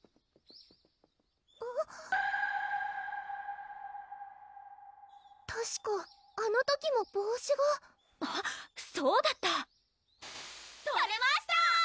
あったしかあの時も帽子があっそうだった取れました！